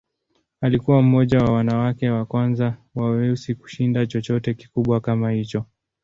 Alikuwa mmoja wa wanawake wa kwanza wa weusi kushinda chochote kikubwa kama hicho.